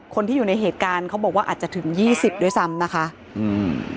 คนที่อยู่ในเหตุการณ์เขาบอกว่าอาจจะถึงยี่สิบด้วยซ้ำนะคะอืม